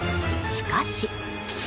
しかし。